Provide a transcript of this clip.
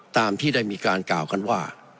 ตามที่ได้มีการกล่าวกันว่า